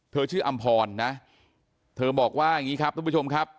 ชื่ออำพรนะเธอบอกว่าอย่างนี้ครับทุกผู้ชมครับ